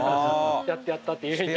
「やってやった」っていうふうに。